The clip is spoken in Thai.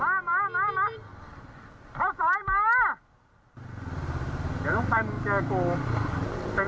อ้าวผมวิ่งขวางผมอยู่ดีอ้าวผมวิ่งขวางผมอยู่ดีอ้าว